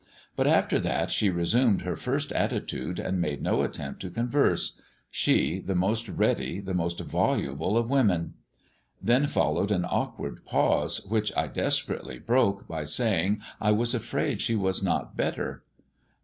But after that she resumed her first attitude and made no attempt to converse she, the most ready, the most voluble of women. Then followed an awkward pause, which I desperately broke by saying I was afraid she was not better.